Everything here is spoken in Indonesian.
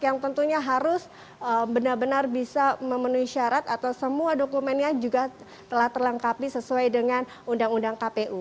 yang tentunya harus benar benar bisa memenuhi syarat atau semua dokumennya juga telah terlengkapi sesuai dengan undang undang kpu